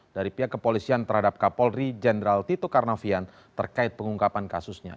dari pihak kepolisian terhadap kapolri jenderal tito karnavian terkait pengungkapan kasusnya